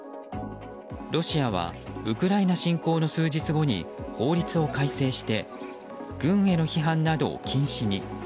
ロシアはウクライナ侵攻の数日後に法律を改正して軍への批判などを禁止に。